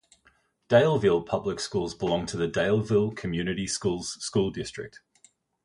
Daleville Public Schools belong to the Daleville Community Schools school district.